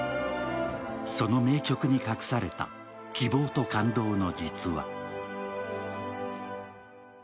その名曲に隠された希望と感動の実話。